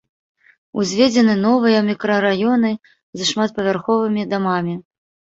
Узведзены новыя мікрараёны з шматпавярховымі дамамі.